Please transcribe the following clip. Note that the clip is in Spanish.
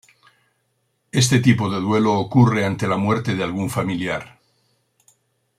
Este tipo de duelo ocurre ante la muerte de algún familiar.